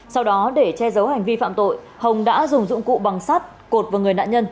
sau đó để che giấu hành vi phạm tội hồng đã dùng dụng cụ bằng sắt cột vào người nạn nhân